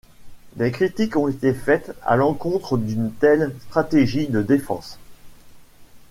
Des critiques ont été faites à l'encontre d'une telle stratégie de défense.